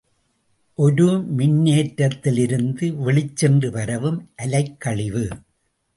ஒரு மின்னேற்றத்திலிருந்து வெளிச்சென்று பரவும் அலைக்கழிவு.